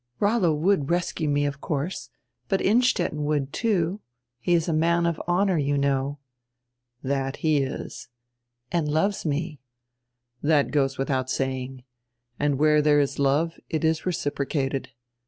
"Rollo would rescue me, of course, but Innstetten would, too. He is a man of honor, you know." "That he is." "And loves me." "That goes widiout saying. And where diere is love it is reciprocated.